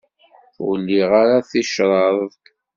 Ur liɣ ara ticreḍt.